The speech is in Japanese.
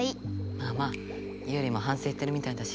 まあまあユウリもはんせいしてるみたいだし。